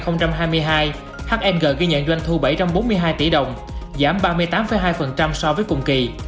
năm hai nghìn hai mươi hai hng ghi nhận doanh thu bảy trăm bốn mươi hai tỷ đồng giảm ba mươi tám hai so với cùng kỳ